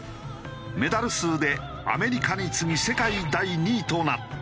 メダル数でアメリカに次ぎ世界第２位となった。